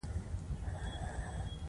په وینز کې سیاسي کشمکشونه اوج ته ورسېدل.